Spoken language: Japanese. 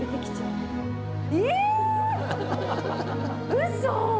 うそ！